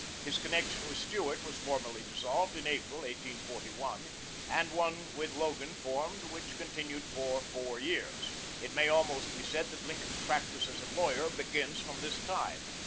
His connection with Stuart was formally dissolved in April, 1841, and one with Logan formed which continued for four years. It may almost be said that Lincoln's practice as a lawyer begins from this time.